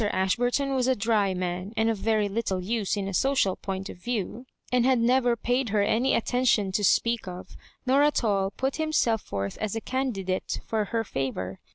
Ashburton was a dry man, and of very little xme in a social point of view, and had never paid her any attention to speak of, nor at all put him self forth as a candidate for her favour.